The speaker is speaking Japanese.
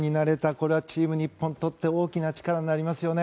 これはチーム日本にとって大きな力になりますよね。